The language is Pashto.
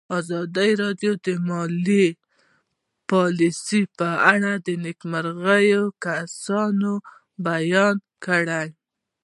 ازادي راډیو د مالي پالیسي په اړه د نېکمرغۍ کیسې بیان کړې.